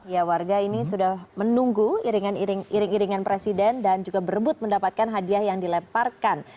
ya warga ini sudah menunggu iring iring iringan presiden dan juga berebut mendapatkan hadiah yang dilemparkan